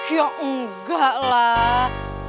ya enggak lah